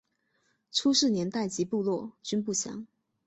初置年代及部落均不详。